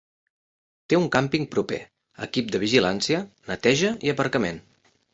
Té un càmping proper, equip de vigilància, neteja i aparcament.